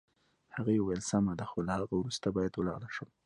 هغې وویل: سمه ده، خو له هغه وروسته باید ولاړه شم.